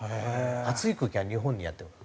暑い空気が日本にやって来る。